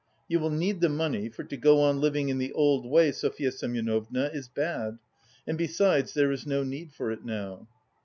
You will need the money, for to go on living in the old way, Sofya Semyonovna, is bad, and besides there is no need for it now."